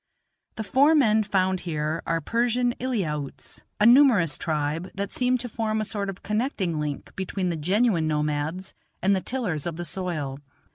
The four men found here are Persian Eliautes, a numerous tribe, that seem to form a sort of connecting link between the genuine nomads and the tillers of the soil.